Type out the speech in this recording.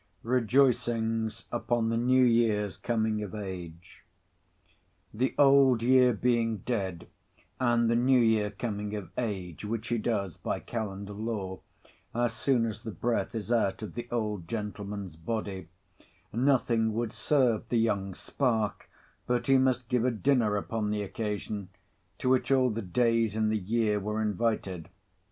] REJOICINGS UPON THE NEW YEAR'S COMING OF AGE The Old Year being dead, and the New Year coming of age, which he does, by Calendar Law, as soon as the breath is out of the old gentleman's body, nothing would serve the young spark but he must give a dinner upon the occasion, to which all the Days in the year were invited.